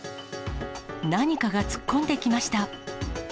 何かが突っ込んできました。